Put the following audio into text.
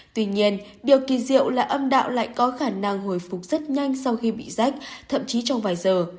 tuy nhiên điều kỳ diệu là âm đạo lại có khả năng hồi phục rất nhanh sau khi bị rách thậm chí trong vài giờ